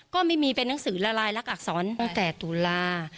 ก็ไม่มีเป็นหนังสือละลายลักษรตั้งแต่ตุลา